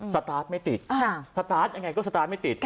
สตาร์ทไม่ติด